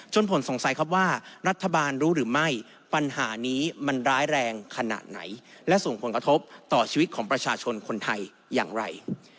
ผลสงสัยครับว่ารัฐบาลรู้หรือไม่ปัญหานี้มันร้ายแรงขนาดไหนและส่งผลกระทบต่อชีวิตของประชาชนคนไทยอย่างไร